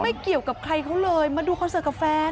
ตอนนี้ก็ไม่มีอัศวินทรีย์ที่สุดขึ้นแต่ก็ไม่มีอัศวินทรีย์ที่สุดขึ้น